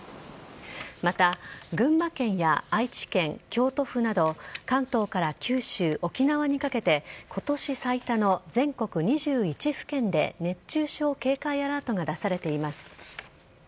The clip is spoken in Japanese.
また、群馬県や愛知県京都府など関東から九州、沖縄にかけて今年最多の全国２１府県で熱中症警戒アラートが出されています。